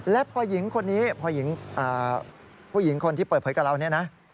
และผู้หญิงคนที่เปิดเผยกับเรานี่นะ